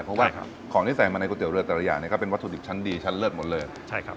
เพราะว่าของที่ใส่มาในก๋วยเตี๋ยวเรือเตรียนก็เป็นวัตถุอีกชั้นดีชั้นเลิศหมดเลย